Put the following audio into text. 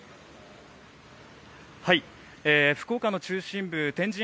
福岡の中心部天神